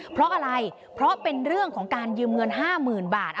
เพราะอะไรเพราะเป็นเรื่องของการยืมเงิน๕๐๐๐บาท